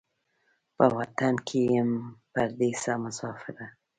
په وطن کې یم پردېسه مسافره